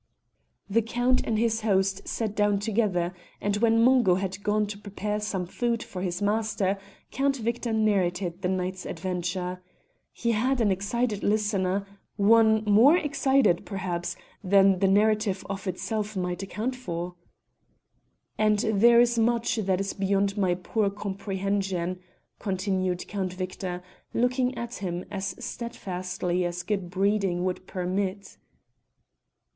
The Count and his host sat down together, and when Mungo had gone to prepare some food for his master, Count Victor narrated the night's adventure. He had an excited listener one more excited, perhaps, than the narrative of itself might account for. "And there is much that is beyond my poor comprehension," continued Count Victor, looking at him as steadfastly as good breeding would permit.